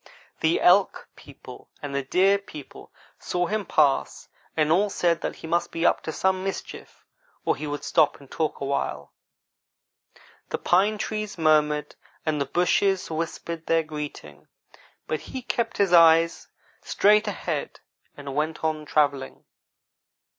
The Elk people and the Deer people saw him pass, and all said that he must be up to some mischief or he would stop and talk a while. The pine trees murmured, and the bushes whispered their greeting, but he kept his eyes straight ahead and went on travelling.